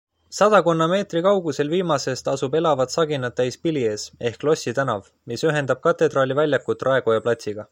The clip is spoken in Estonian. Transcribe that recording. Sadakonna meetri kaugusel viimasest asub elavat saginat täis Pilies ehk Lossi tänav, mis ühendab Katedraali väljakut Raekoja platsiga.